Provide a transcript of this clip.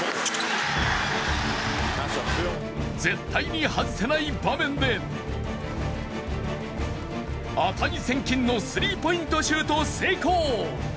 絶対に外せない場面で値千金のスリーポイントシュートを成功。